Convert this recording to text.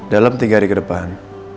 dalam tiga hari ke depan